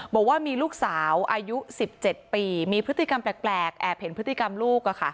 บอกว่ามีลูกสาวอายุ๑๗ปีมีพฤติกรรมแปลกแอบเห็นพฤติกรรมลูก